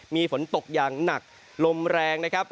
มีฝนตกอย่างหนักลมแรงนะครับ